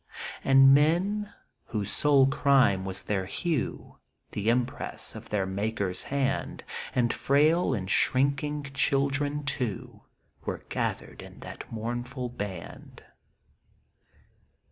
And men, whose sole crime was their hue, The impress of their Maker's hand, And frail and shrinking children, too, Were gathered in that mournful band.